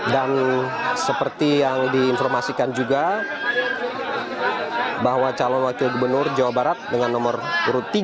dan seperti yang diinformasikan juga bahwa calon wakil gubernur jawa barat dengan nomor urut tiga